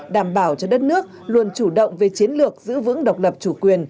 đảm bảo cho đất nước luôn chủ động về chiến lược giữ vững độc lập chủ quyền